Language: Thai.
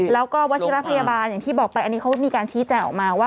แล้วก็วัชิระพยาบาลอย่างที่บอกไปอันนี้เขามีการชี้แจงออกมาว่า